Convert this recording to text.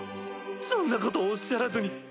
そんなことおっしゃらずに。